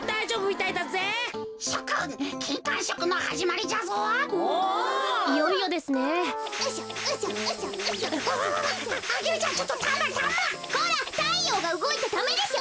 たいようがうごいちゃダメでしょ！